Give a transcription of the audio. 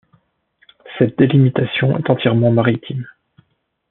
Cette délimitation est entièrement maritime.